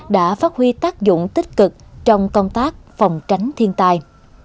đã phát huy tác dụng tích cực trong công tác phòng tránh thiên tai